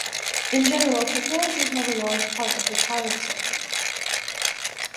In general, technology is not a large part of the Childe Cycle.